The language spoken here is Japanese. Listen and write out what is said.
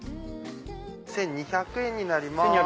１２００円になります。